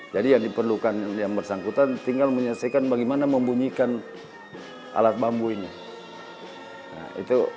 jadi yang diperlukan yang bersangkutan tinggal menyelesaikan bagaimana membunyikan alat bambu ini